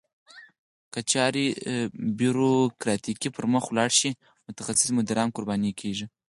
که چارې بیوروکراتیکي پرمخ ولاړې شي متخصص مدیران قرباني کیږي.